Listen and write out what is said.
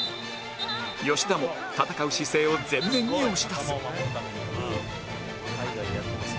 吉田も戦う姿勢を前面に押し出す